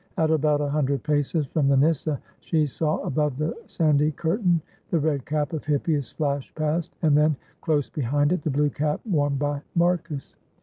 At about a hundred paces from the nyssa she saw, above the sandy curtain, the red cap of Hippias flash past, and then — close behind it — the blue cap worn by Marcus.